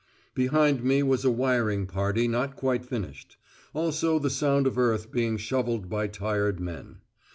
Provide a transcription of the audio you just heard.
Behind me was a wiring party not quite finished; also the sound of earth being shovelled by tired men.